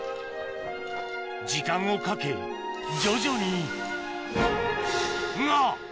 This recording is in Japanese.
時間をかけ徐々にが！